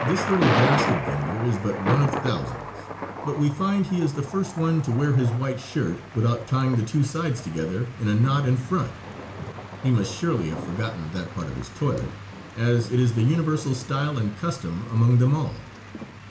This little basket vender is but one of thousands, but we find he is the first one to wear his white shirt without tying the two sides together in a knot in front. He must surely have forgotten that part of his toilet, as it is the universal style and custom among them all.